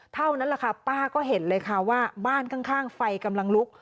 เท่านั้นแหละค่ะป้าก็เห็นเลยค่ะว่าบ้านข้างไฟกำลังลุก